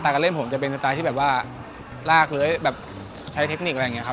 การเล่นผมจะเป็นสไตล์ที่แบบว่าลากเลื้อยแบบใช้เทคนิคอะไรอย่างนี้ครับ